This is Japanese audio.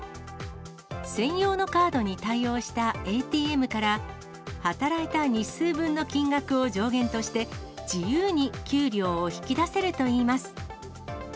専用のカードに対応したＡＴＭから、働いた日数分の金額を上限として、自由に給料を引き出せるといいます。